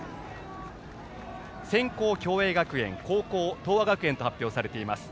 先攻、共栄学園後攻、東亜学園と発表されています。